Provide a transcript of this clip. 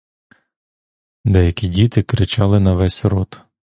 Деякі діти кричали на весь рот.